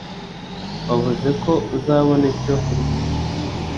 Wavuze ko uzabona icyo kurya